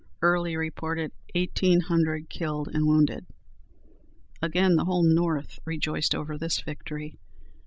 Early reported eighteen hundred killed and wounded. Again the whole North rejoiced over this victory.